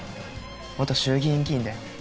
元衆議院議員だよ。